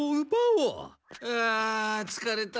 あつかれた。